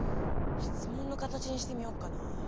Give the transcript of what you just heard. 質問の形にしてみよっかな。